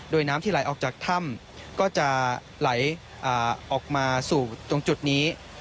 โดยน้ำที่ไหลออกจากถ้ำก็จะไหลออกมาสู่ตรงจุดนี้